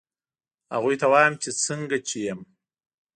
هغوی ته وایم چې څنګه چې یم